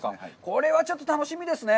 これはちょっと楽しみですね。